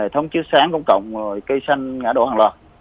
thông chứa sáng công cộng cây xanh ngã đổ hàng loạt